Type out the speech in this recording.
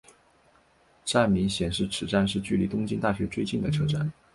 站名显示此站是距离东京大学最近的车站。